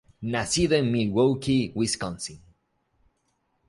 Nacido en Milwaukee, Wisconsin.